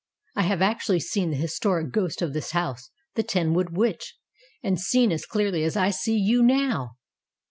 I have actually seen the his toric ghost of this house the Ten wood Witch and seen as clearly as I see you now."